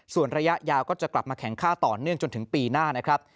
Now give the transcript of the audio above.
ส่วนระยะยาวก็จะกลับมาแข็งค่าต่อเนื่องจนถึงปีหน้านะครับ